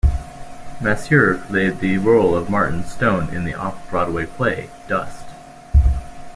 Masur played the role of Martin Stone in the off-Broadway play "Dust".